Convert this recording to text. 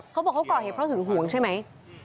เขาบอกเขาก่อเหตุเพราะหึงหวงใช่ไหม